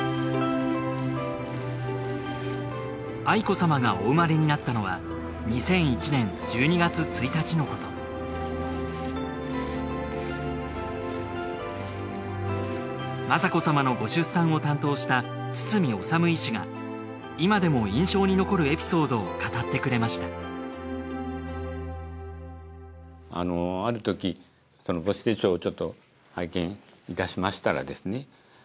愛子さまがお生まれになったのは２００１年１２月１日のこと雅子さまのご出産を担当した堤治医師が今でも印象に残るエピソードを語ってくれましたある時母子手帳をちょっと拝見いたしましたらですね。